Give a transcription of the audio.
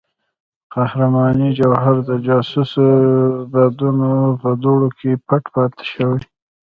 د قهرمانۍ جوهر د جاسوسو بادونو په دوړو کې پټ پاتې شوی.